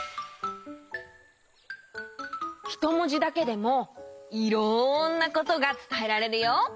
ひともじだけでもいろんなことがつたえられるよ。